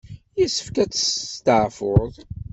Yessefk ad testeɛfuḍ.